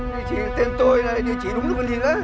địa chỉ là tên tôi địa chỉ đúng là vấn đề đó